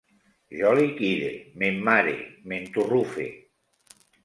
Jo liquide, m'emmare, m'enturrufe